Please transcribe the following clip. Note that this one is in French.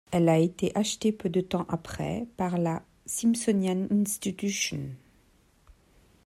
Elle a été achetée peu de temps après par la Smithsonian Institution.